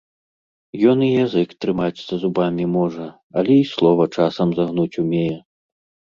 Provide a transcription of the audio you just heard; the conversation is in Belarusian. Ён і язык трымаць за зубамі можа, але і слова часам загнуць умее.